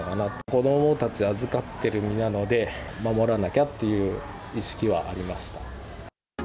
子どもたち預かっている身なので、守らなきゃっていう意識はありました。